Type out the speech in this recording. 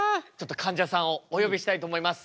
かんじゃさんをお呼びしたいと思います。